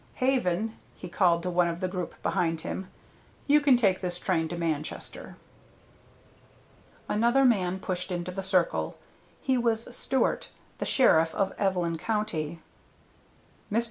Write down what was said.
Haven," he called to one of the group behind him, "you can take this train to Manchester." Another man pushed into the circle. He was Stewart, the sheriff of Evelyn County. "Mr.